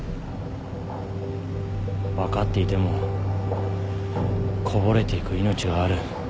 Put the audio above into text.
分かっていてもこぼれていく命がある。